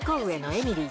エミリー。